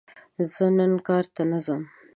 زه نن کار ته نه ځم!